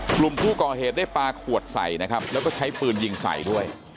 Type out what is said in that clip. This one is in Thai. กลุ่มผู้ก่อเหตุได้ปลาขวดใส่นะครับแล้วก็ใช้ปืนยิงใส่ด้วย